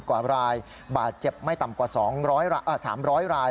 ๑๕๐กว่ารายบาทเจ็บไม่ต่ำกว่า๓๐๐ราย